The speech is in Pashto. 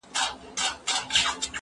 زه به سبا زدکړه وکړم،